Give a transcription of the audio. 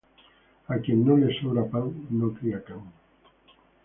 A quien no le sobra pan, no crie can.